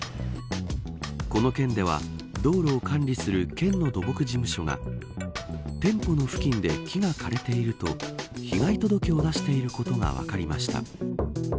この県では、道路を管理する県の土木事務所が店舗の付近で木が枯れていると、被害届を出していることが分かりました。